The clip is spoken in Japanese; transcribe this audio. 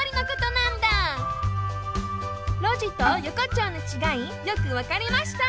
「路地」と「横丁」のちがいよくわかりました！